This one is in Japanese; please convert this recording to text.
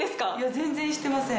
全然してません。